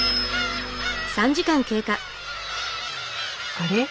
あれ？